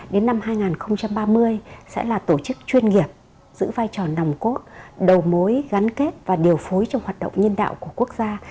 đến năm hai nghìn ba mươi sẽ là tổ chức chuyên nghiệp giữ vai trò nòng cốt đầu mối gắn kết và điều phối trong hoạt động nhân đạo của quốc gia